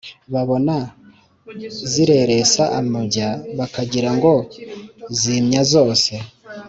Babona zireresa amabya bakagira ngo zimya zose.